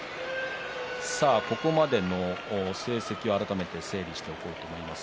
ここまでの成績を改めて整理しておこうと思います。